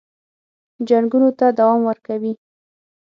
جنګونو ته دوام ورکوي.